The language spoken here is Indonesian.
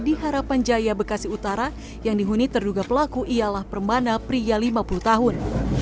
di harapan jaya bekasi utara yang dihuni terduga pelaku ialah permana pria lima puluh tahun